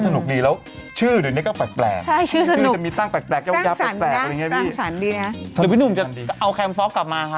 หรือพี่หนุ่มจะเอาแคมพฟอปกลับมาคะ